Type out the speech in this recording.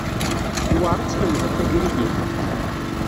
Yewɛer ad tlemdeḍ tagrigit?